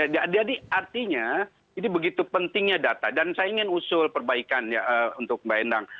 jadi artinya itu begitu pentingnya data dan saya ingin usul perbaikan ya untuk mbak hendang